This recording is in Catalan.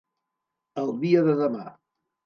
El dia de demà.